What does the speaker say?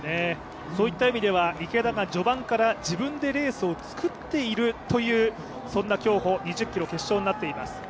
そういった意味では、池田が序盤から自分でレースを作っているというそんな競歩２０ｋｍ、決勝となっています。